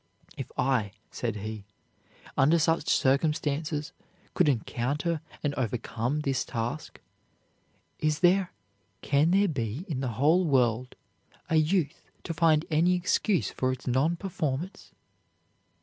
"If I," said he, "under such circumstances could encounter and overcome this task, is there, can there be in the whole world, a youth to find any excuse for its non performance?"